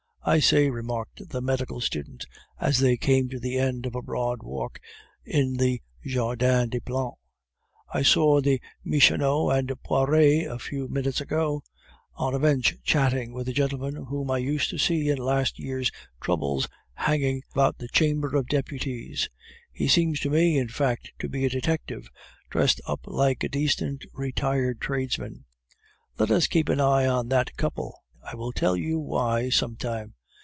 "I say," remarked the medical student, as they came to the end of a broad walk in the Jardin des Plantes, "I saw the Michonneau and Poiret a few minutes ago on a bench chatting with a gentleman whom I used to see in last year's troubles hanging about the Chamber of Deputies; he seems to me, in fact, to be a detective dressed up like a decent retired tradesman. Let us keep an eye on that couple; I will tell you why some time.